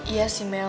iya sih mel